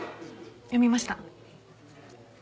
読みました。